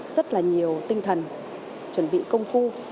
rất là nhiều tinh thần chuẩn bị công phu